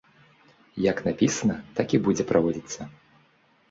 Як напісана, так і будзе праводзіцца.